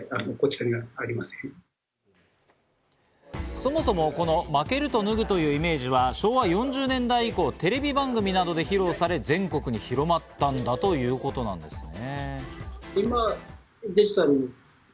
そもそも負けると脱ぐというイメージは、昭和４０年代以降、テレビ番組などで披露され全国に広まったんだということなんですね。